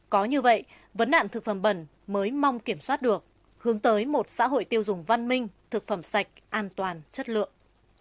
có như vậy vấn nạn thực phẩm bẩn mới mong kiểm soát được hướng tới một xã hội tiêu dùng văn minh thực phẩm sạch an toàn chất lượng